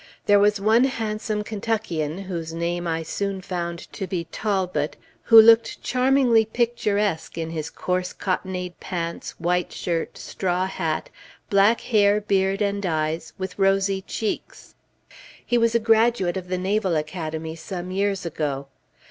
There was one handsome Kentuckian, whose name I soon found to be Talbot, who looked charmingly picturesque in his coarse cottonade pants, white shirt, straw hat, black hair, beard, and eyes, with rosy cheeks. He was a graduate of the Naval Academy some years ago.